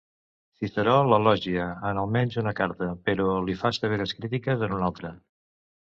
Ciceró l'elogia en almenys una carta, però li fa severes crítiques en una altra.